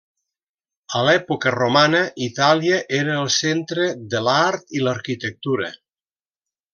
A l'època romana, Itàlia era el centre de l'art i l'arquitectura.